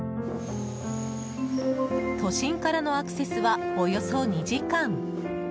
都心からのアクセスはおよそ２時間。